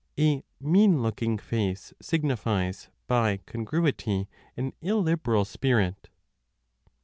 A mean looking face signifies by congruity an illiberal spirit.